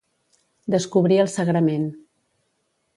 Descobrir el sagrament.